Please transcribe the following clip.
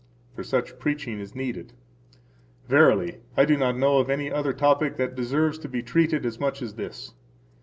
For such preaching is needed. [Verily, I do not know of any other topic that deserves to be treated as much as this.